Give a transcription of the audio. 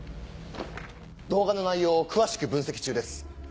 動画の内容を詳しく分析中です。